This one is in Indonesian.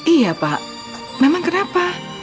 iya pak memang kenapa